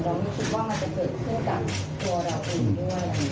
ไม่คิดว่ามันจะเกิดขึ้นกับตัวเราเองด้วย